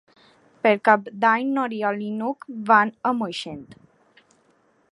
Per Cap d'Any n'Oriol i n'Hug van a Moixent.